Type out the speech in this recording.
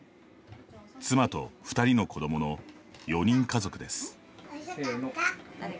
妻と２人の子どもの４人家族です。